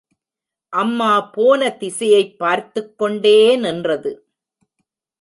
அம்மா போன திசையைப் பார்த்துக் கொண்டே நின்றது.